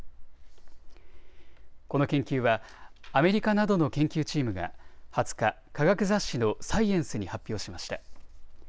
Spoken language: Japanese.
この研究はアメリカなどの研究チームが２０日、科学雑誌のサイエンスに発表しました。